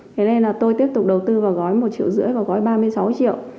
thế nên là tôi tiếp tục đầu tư vào gói một triệu rưỡi và gói ba mươi sáu triệu